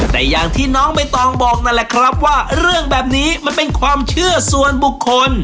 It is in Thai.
แต่อย่างที่น้องใบตองบอกนั่นแหละครับว่าเรื่องแบบนี้มันเป็นความเชื่อส่วนบุคคล